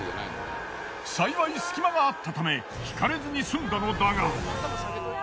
幸い隙間があったためひかれずに済んだのだが。